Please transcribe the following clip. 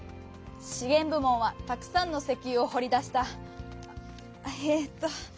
「資源部門」はたくさんのせきゆをほり出したえっと。